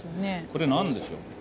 これ何でしょう？